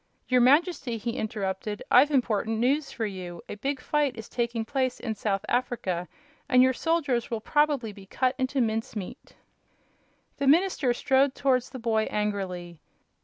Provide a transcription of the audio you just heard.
"Your Majesty," he interrupted, "I've important news for you. A big fight is taking place in South Africa and your soldiers will probably be cut into mince meat." The minister strode towards the boy angrily.